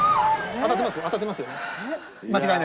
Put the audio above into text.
当たってますよね？